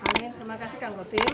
amin terima kasih kang hussein